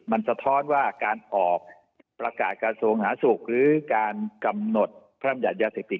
มันสะท้อนว่าการออกประกาศกระทรวงสาธารณสุขหรือการกำหนดพระรำยัติยาเสพติด